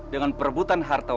di bibulai build owner until